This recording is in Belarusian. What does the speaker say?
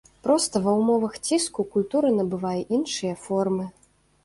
Проста ва ўмовах ціску культура набывае іншыя формы.